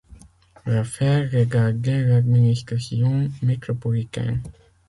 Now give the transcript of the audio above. L’affaire regardait l’administration métropolitaine